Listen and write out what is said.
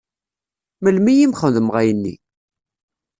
Melmi i m-xedmeɣ ayenni?